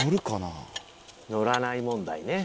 のらない問題ね。